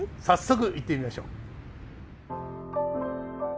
早速行ってみましょう。